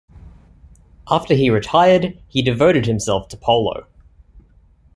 After he retired, he devoted himself to polo.